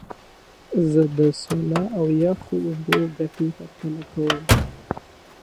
زه د سونا او یخو اوبو ګټې پرتله کوم.